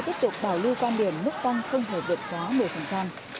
tiếp tục bảo lưu quan điểm mức tăng không thể được khóa một